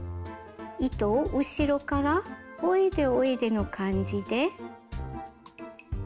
糸を後ろからおいでおいでの感じで引き出します。